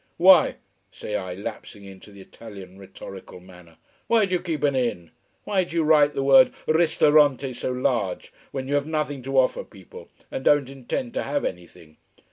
"Why," say I, lapsing into the Italian rhetorical manner, "why do you keep an inn? Why do you write the word Ristorante so large, when you have nothing to offer people, and don't intend to have anything.